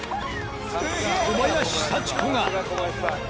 小林幸子が。